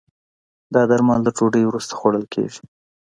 دا درمل د ډوډی وروسته خوړل کېږي.